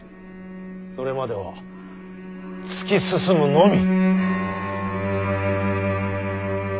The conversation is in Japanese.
それまでは突き進むのみ。